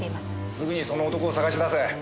すぐにその男を捜し出せ。